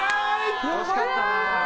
惜しかったな。